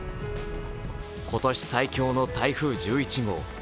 今年最強の台風１１号。